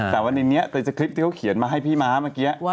แต่ว่าในนี้คลิปที่เขาเขียนมาให้พี่ม้าเมื่อกี้